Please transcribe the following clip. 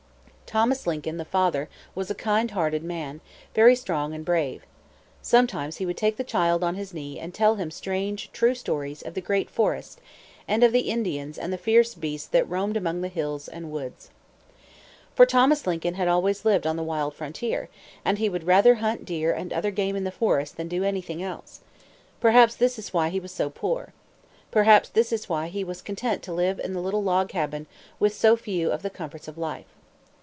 Thomas Lincoln, the father, was a kind hearted man, very strong and brave. Sometimes he would take the child on his knee and tell him strange, true stories of the great forest, and of the Indians and the fierce beasts that roamed among the woods and hills. For Thomas Lincoln had always lived on the wild frontier; and he would rather hunt deer and other game in the forest than do anything else. Perhaps this is why he was so poor. Perhaps this is why he was content to live in the little log cabin with so few of the comforts of life.